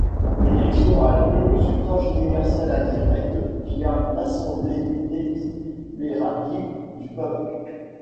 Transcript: L'élection a lieu au suffrage universel indirect via l'Assemblée délibérative du peuple.